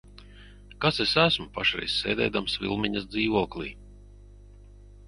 Kas es esmu pašreiz sēdēdams Vilmiņas dzīvoklī?